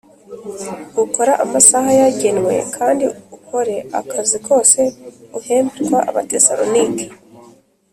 ukora amasaha yagenwe kandi ukore akazi kose uhemberwa Abatesalonike